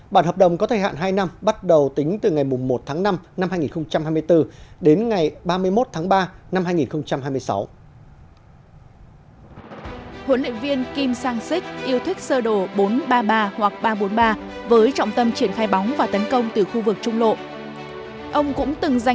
bản hợp đồng có thời hạn hai năm bắt đầu tính từ ngày một tháng năm năm hai nghìn hai mươi bốn đến ngày ba mươi một tháng ba năm hai nghìn hai mươi sáu